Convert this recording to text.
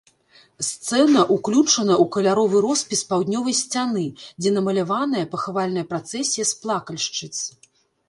Сцэна ўключана ў каляровы роспіс паўднёвай сцяны, дзе намаляваная пахавальная працэсія з плакальшчыц.